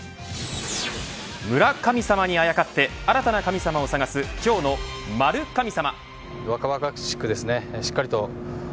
村神様にあやかって新たな神様を探す今日の○神様。